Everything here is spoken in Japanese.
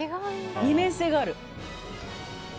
二面性がある。